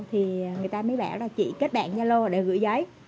thì người ta mới bảo là chị kết bạn zalo để gửi giấy